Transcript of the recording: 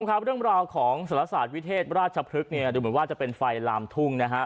ครับเรื่องราวของศาลศาสตร์วิเทศราชพฤกษ์เนี่ยดูเหมือนว่าจะเป็นไฟลามทุ่งนะฮะ